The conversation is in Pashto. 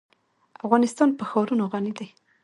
افغانستان په ښارونه غني دی.